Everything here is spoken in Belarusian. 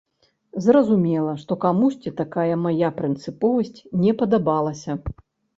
Зразумела, што камусьці такая мая прынцыповасць не падабалася.